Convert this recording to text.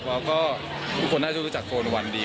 แล้วก็ทุกคนน่าจะรู้จักโฟนวันดี